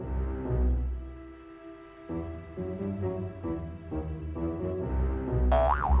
pokoknya kalau ibu ibu tidak mau saya mengeluarkan anak saya ini